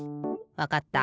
わかった。